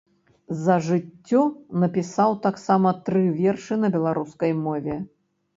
За жыццё напісаў таксама тры вершы на беларускай мове.